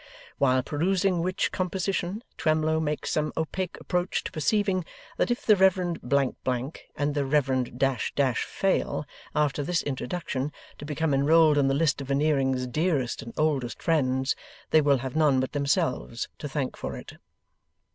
While perusing which composition, Twemlow makes some opaque approach to perceiving that if the Reverend Blank Blank and the Reverend Dash Dash fail, after this introduction, to become enrolled in the list of Veneering's dearest and oldest friends, they will have none but themselves to thank for it.